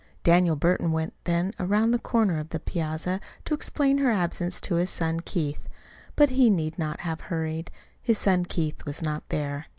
Daniel Burton went then around the corner of the piazza to explain her absence to his son Keith. But he need not have hurried. His son Keith was not there.